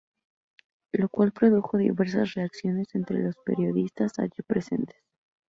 Lo cual produjo diversas reacciones entre los periodistas allí presentes.